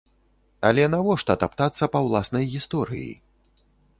Але навошта таптацца па ўласнай гісторыі?